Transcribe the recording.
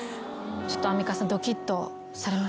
アンミカさんドキッとされました？